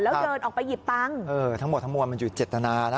แล้วเดินออกไปหยิบตังค์ทั้งหมดมันอยู่เจ็ดตนานะ